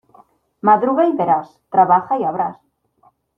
Madruga y verás; trabaja y habrás.